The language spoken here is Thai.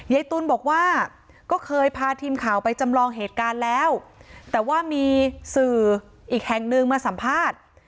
ยายตุ๋นบอกว่าก็เคยพาทีมข่าวไปจำลองเหตุการณ์แล้วแต่ว่ามีสื่ออีกแห่งนึงมาสัมภาษณ์